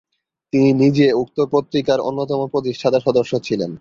তিনি নিজে উক্ত পত্রিকার অন্যতম প্রতিষ্ঠাতা-সদস্য ছিলেন।